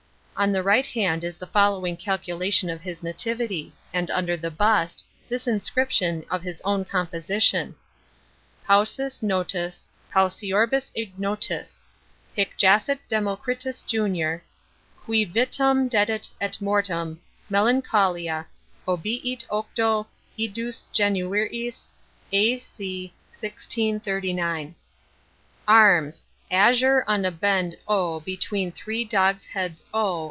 On the right hand is the following calculation of his nativity: and under the bust, this inscription of his own composition:— Paucis notus, paucioribus ignotus, Hic jacet Democritus junior Cui vitam dedit et mortem Melancholia Ob. 8 Id. Jan. A. C. MDCXXXIX. Arms:—Azure on a bend O. between three dogs' heads O.